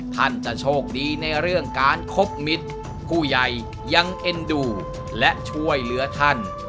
ท่านจะโชคดีในเรื่องการคบมิตรผู้ใหญ่ยังเอ็นดูและช่วยเหลือท่าน